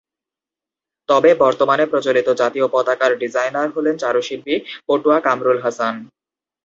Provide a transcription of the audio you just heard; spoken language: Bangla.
তবে বর্তমানে প্রচলিত জাতীয় পতাকার ডিজাইনার হলেন চারুশিল্পী পটুয়া কামরুল হাসান।